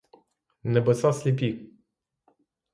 Небеса сліпі.